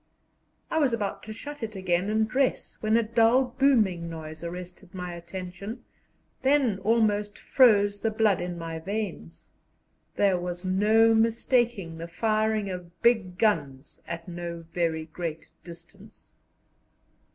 I was about to shut it again and dress, when a dull booming noise arrested my attention, then almost froze the blood in my veins. There was no mistaking the firing of big guns at no very great distance.